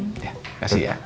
terima kasih ya